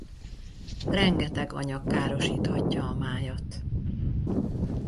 Rengeteg anyag károsíthatja a májat.